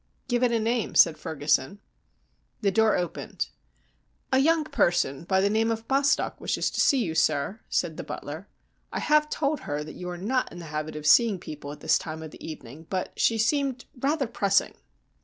"Give it a name," said Ferguson. The door opened. "A young person of the name of Bostock wishes to see you, sir," said the butler. "I have told her that you are not in the habit of seeing people at this time of the evening, but she seemed rather pressing."